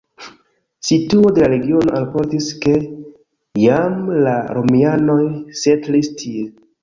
Situo de la regiono alportis, ke jam la romianoj setlis tie.